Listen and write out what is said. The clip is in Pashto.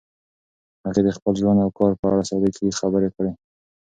هغې د خپل ژوند او کار په اړه صادقې خبرې کړي.